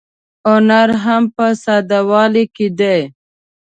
هنر هم په ساده والي کې دی.